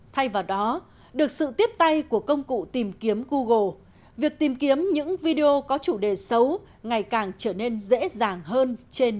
thay vào đó được sự tiếp tay của công cụ tìm kiếm google việc tìm kiếm những video có chủ đề xấu ngày càng trở nên dễ dàng hơn